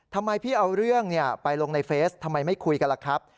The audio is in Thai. ทำไมพี่เอาเรื่องไปลงในเฟซทำไมไม่คุยกันล่ะครับ